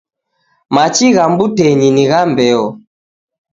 Machi gha mbutenyi ni gha mbeo